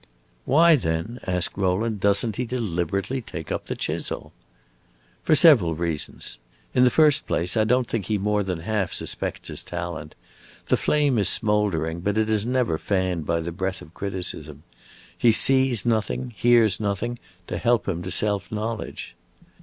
"Why, then," asked Rowland, "does n't he deliberately take up the chisel?" "For several reasons. In the first place, I don't think he more than half suspects his talent. The flame is smouldering, but it is never fanned by the breath of criticism. He sees nothing, hears nothing, to help him to self knowledge.